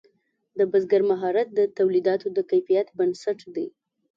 د بزګر مهارت د تولیداتو د کیفیت بنسټ دی.